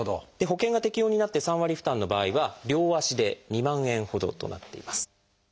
保険が適用になって３割負担の場合は両足で２万円ほどとなっています。